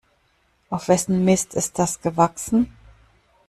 Auf wessen Mist ist das gewachsen?